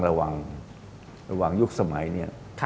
ระหว่างยุคสมัยเนี่ย